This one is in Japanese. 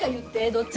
どっち？